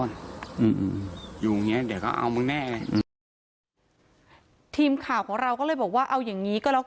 ลูกพี่ลูกน้องครับ